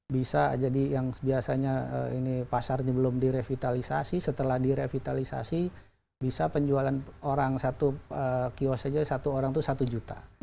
bisa jadi yang biasanya ini pasarnya belum direvitalisasi setelah direvitalisasi bisa penjualan orang satu kios saja satu orang itu satu juta